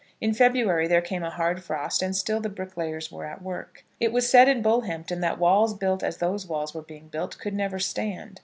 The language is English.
In February there came a hard frost, and still the bricklayers were at work. It was said in Bullhampton that walls built as those walls were being built could never stand.